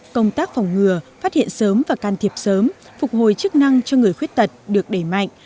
công tác phòng ngừa phát hiện sớm và can thiệp sớm phục hồi chức năng cho người khuyết tật được đẩy mạnh